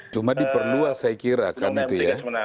cuma diperluas saya kira kan itu ya